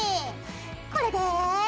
これで。